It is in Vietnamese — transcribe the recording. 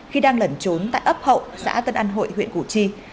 khi đang lẩn trốn tại ấp hậu xã tân an hội huyện củ chi